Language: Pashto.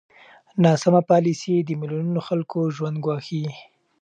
ناسمه پالېسي د میلیونونو خلکو ژوند ګواښي.